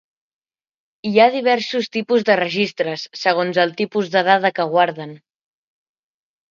Hi ha diversos tipus de registres segons el tipus de dada que guarden.